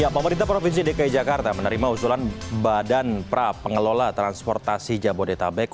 pemerintah provinsi dki jakarta menerima usulan badan pra pengelola transportasi jabodetabek